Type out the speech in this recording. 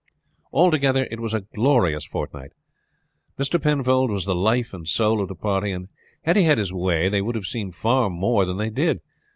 Altogether it was a glorious fortnight. Mr. Penfold was the life and soul of the party, and had he had his way they would have seen far more than they did.